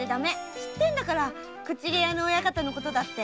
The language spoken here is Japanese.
知ってんだから口入れ屋の親方のことだって。